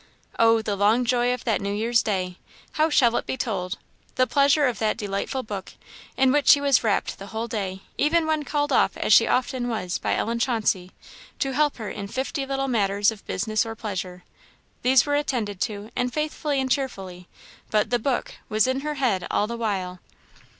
Oh, the long joy of that New Year's day! how shall it be told? The pleasure of that delightful book, in which she was wrapped the whole day even when called off, as she often was, by Ellen Chauncey, to help her in fifty little matters of business or pleasure. These were attended to, and faithfully and cheerfully, but the book was in her head all the while.